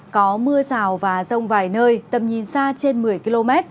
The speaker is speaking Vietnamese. có mưa rào và rông vài nơi tầm nhìn xa trên một mươi km